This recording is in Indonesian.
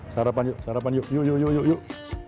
sarapan sarapan yuk yuk yuk yuk yuk yuk